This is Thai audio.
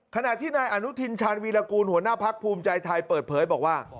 ขณะที่นายอนุทินชาญวีรกูลหัวหน้าพักภูมิใจไทยเปิดเผยบอกว่า